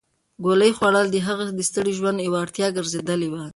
ګولۍ خوړل د هغې د ستړي ژوند یوه اړتیا ګرځېدلې وه.